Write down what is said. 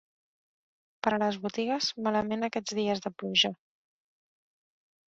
Per a les botigues, malament aquests dies de pluja.